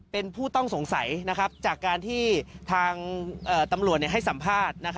เป็นผู้ต้องสงสัยจากการที่ทางตำรวจให้สัมภาษณ์